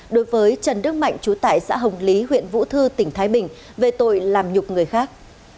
đối với trần đức mạnh chú tại xã hồng lý huyện vũ thư tỉnh thái bình về tội làm nhục người khác